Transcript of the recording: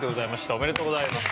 おめでとうございます。